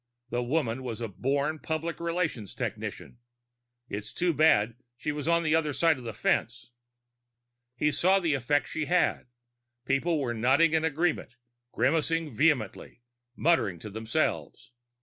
The woman was a born public relations technician. It was too bad she was on the other side of the fence. He saw the effect she had: people were nodding in agreement, grimacing vehemently, muttering to themselves.